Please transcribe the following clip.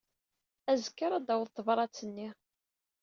Azekka ara d-taweḍ tebṛat-nni.